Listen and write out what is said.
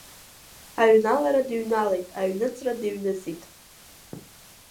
Аҩналарадыҩналеит, аҩныҵрадыҩныҵит.